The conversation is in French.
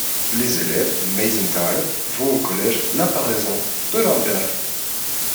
Les élèves de Meisenthal vont au collège La Paraison de Lemberg.